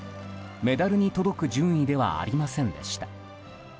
メダルに届く順位ではありませんでした。